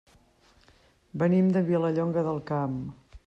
Venim de Vilallonga del Camp.